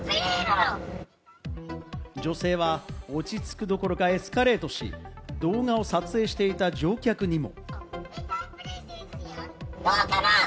女性は落ち着くどころかエスカレートし、動画を撮影していた乗客にも。